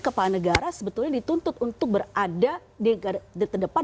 kepala negara sebetulnya dituntut untuk berada di terdepan